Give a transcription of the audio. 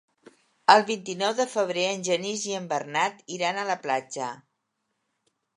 El vint-i-nou de febrer en Genís i en Bernat iran a la platja.